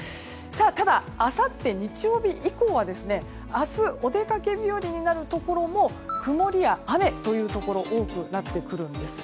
ただ、あさって日曜日以降は明日お出かけ日和になるところも曇りや雨というところ多くなってくるんです。